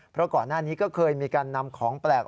เพราะก่อนหน้านี้ก็เคยมีการนำของแปลก